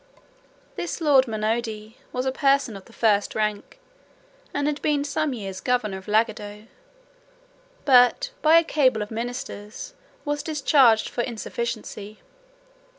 This lord Munodi was a person of the first rank, and had been some years governor of Lagado; but, by a cabal of ministers, was discharged for insufficiency.